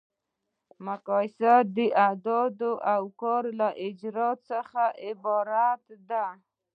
مقایسه د دندې او کار له اجرا څخه عبارت ده.